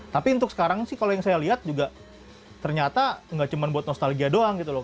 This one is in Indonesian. tapi untuk sekarang sih kalau yang saya lihat juga ternyata nggak cuma buat nostalgia doang gitu loh